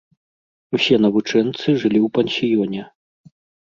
Усе навучэнцы жылі ў пансіёне.